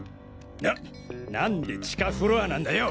なっなんで地下フロアなんだよ？